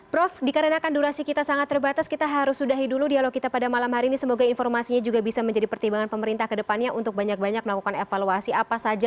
prof dikarenakan durasi kita sangat terbatas kita harus sudahi dulu dialog kita pada malam hari ini semoga informasinya juga bisa menjadi pertimbangan pemerintah kedepannya untuk banyak banyak melakukan evaluasi apa saja